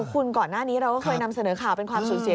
คุณก่อนหน้านี้เราก็เคยนำเสนอข่าวเป็นความสูญเสีย